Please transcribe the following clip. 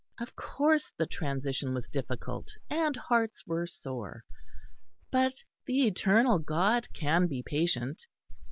Of course the transition was difficult and hearts were sore; but the Eternal God can be patient.